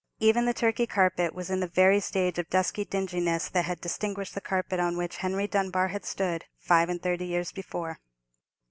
Even the Turkey carpet was in the very stage of dusky dinginess that had distinguished the carpet on which Henry Dunbar had stood five and thirty years before.